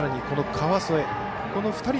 この川副